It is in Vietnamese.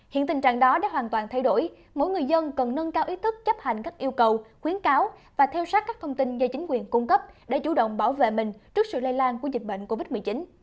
hiện tình trạng đó đã hoàn toàn thay đổi mỗi người dân cần nâng cao ý thức chấp hành các yêu cầu khuyến cáo và theo sát các thông tin do chính quyền cung cấp để chủ động bảo vệ mình trước sự lây lan của dịch bệnh covid một mươi chín